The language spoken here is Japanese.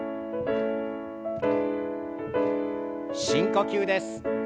深呼吸です。